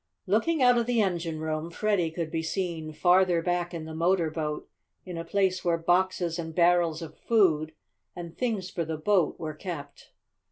Looking out of the engine room, Freddie could be seen farther back in the motor boat, in a place where boxes and barrels of food, and things for the boat, were kept.